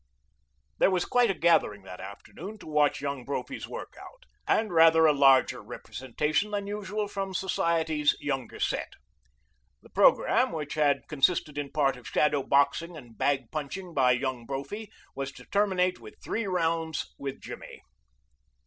There was quite a gathering that afternoon to watch Young Brophy's work out, and rather a larger representation than usual from society's younger set. The program, which had consisted in part of shadow boxing and bag punching by Young Brophy, was to terminate with three rounds with Jimmy.